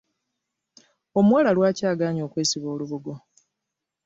Omuwala lwaki agaanye okwesiba olubugo.